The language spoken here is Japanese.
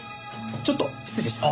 ちょっと失礼します。